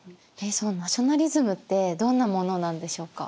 そのナショナリズムってどんなものなんでしょうか？